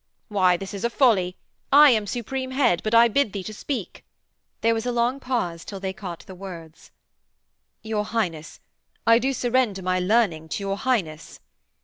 'Why, this is a folly. I am Supreme Head, but I bid thee to speak.' There was a long pause till they caught the words. 'Your Highness, I do surrender my learning to your Highness'.'